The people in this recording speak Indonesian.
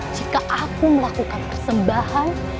jika aku melakukan persembahan